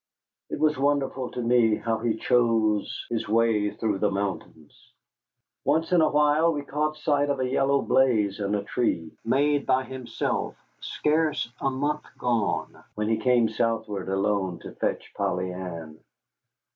It was wonderful to me how he chose his way through the mountains. Once in a while we caught sight of a yellow blaze in a tree, made by himself scarce a month gone, when he came southward alone to fetch Polly Ann.